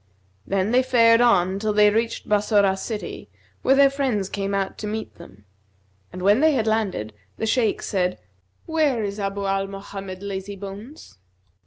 Then they fared on till they reached Bassorah city where their friends came out to meet them; and when they had landed, the Shaykh said, 'Where is Abu Mohammed Lazybones?'